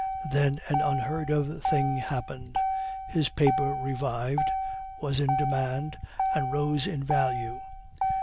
Then an unheard of thing happened his paper revived, was in demand, and rose in value.